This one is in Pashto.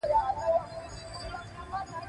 خو هېڅ هېواد یې د نندارې غوښتنه ونه کړه.